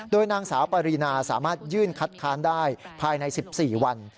โดยนางสาวปรินาสามารถยื่นคัดค้านได้ภายใน๑๔วัน